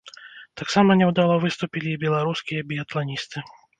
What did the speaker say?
Таксама няўдала выступілі і беларускія біятланісты.